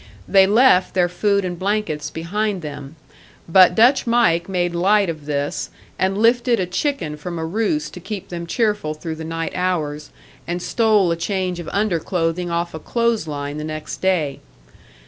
They left their food and blankets behind them, but "Dutch Mike" made light of this, and lifted a chicken from a roost to keep them cheerful through the night hours, and stole a change of underclothing off a clothes line the next day.